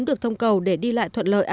được thông cầu để đi lại thuận lợi